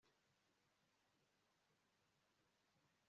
mu muriro wo kumwitaho urukundo rwe mucyumba cyo hejuru